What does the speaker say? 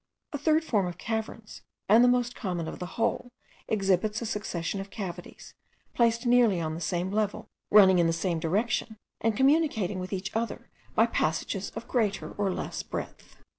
A third form of caverns, and the most common of the whole, exhibits a succession of cavities, placed nearly on the same level, running in the same direction, and communicating with each other by passages of greater or less breadth.